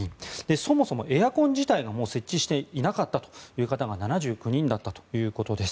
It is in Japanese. そもそもエアコン自体が設置していなかった方が７９人だったということです。